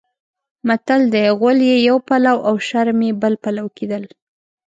متل دی: غول یې یو پلو او شرم یې بل پلو کېدل.